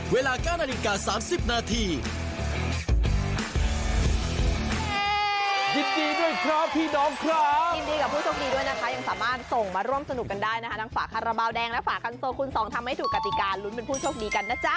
เวลาก้านอลินกา๓๐นาที